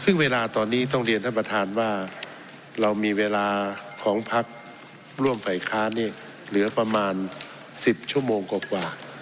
ซึ่งเวลาตอนนี้ต้องเรียนท่านประธานว่าเรามีเวลาของพักร่วมไฝคล้านนี่